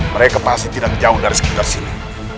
mereka pasti tidak jauh dari sekitar sini